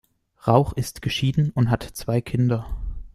Rauch ist geschieden und hat zwei Kinder.